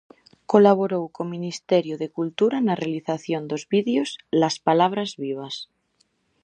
Colaborou co ministerio de Cultura na realización dos vídeos Las palabras vivas.